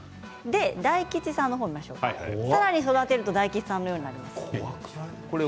大吉さんの方を見ましょうかさらに育てると大吉さんの方のようになります。